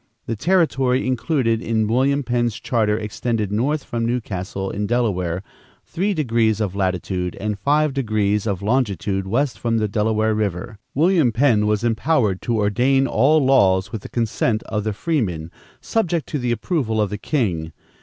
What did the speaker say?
The territory included in William Penn's charter extended north from New Castle in Delaware three degrees of latitude and five degrees of longitude west from the Delaware River. William Penn was empowered to ordain all laws with the consent of the freemen, subject to the approval of the king.